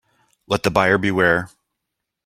Let the buyer beware.